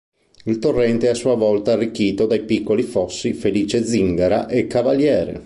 Il torrente è a sua volta arricchito dai piccoli fossi Felice Zingara e Cavaliere.